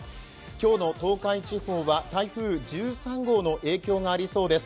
今日の東海地方は台風１３号の影響がありそうです。